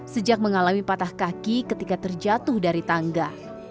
sejak mengalami patah kaki ketika terjatuh dari tangga